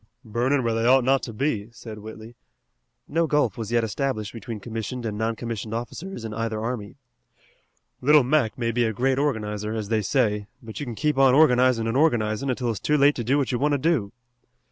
"Burnin' where they ought not to be," said Whitley no gulf was yet established between commissioned and non commissioned officers in either army. "Little Mac may be a great organizer, as they say, but you can keep on organizin' an' organizin', until it's too late to do what you want to do."